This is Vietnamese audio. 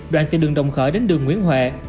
đoạn từ đường đồng khởi đến đường nguyễn huệ